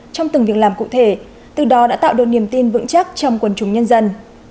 trong từng việc làm cụ thể từ đó đã tạo được niềm tin vững chắc trong quần chúng nhân dân